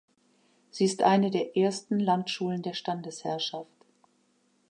Sie ist eine der ersten Landschulen der Standesherrschaft.